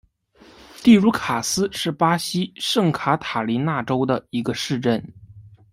蒂茹卡斯是巴西圣卡塔琳娜州的一个市镇。